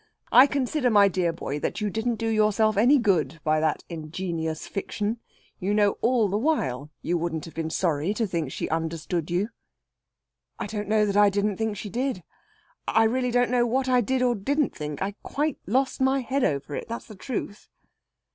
I consider, my dear boy, that you didn't do yourself any good by that ingenious fiction. You know all the while you wouldn't have been sorry to think she understood you." "I don't know that I didn't think she did. I really don't know what I did or didn't think. I quite lost my head over it, that's the truth."